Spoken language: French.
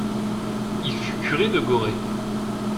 Il fut curé de Gorée.